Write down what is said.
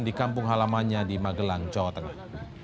di kampung halamannya di magelang jawa tengah